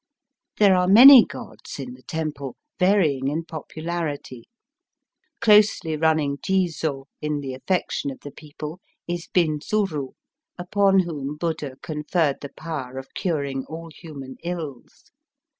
There are many gods in the temple, vary ing in popularity. Closely running Ji zo in the affection of the people is Bindzuru, upon whom Buddha conferred the power of curing all human ills.